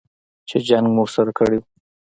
چې جنګ مو ورسره کړی و.